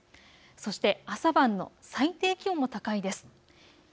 そして朝晩の最低気温も高いです。